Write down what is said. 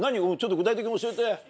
具体的に教えて。